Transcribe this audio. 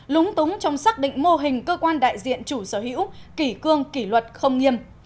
lúng túng trong xác định mô hình cơ quan đại diện chủ sở hữu kỷ cương kỷ luật không nghiêm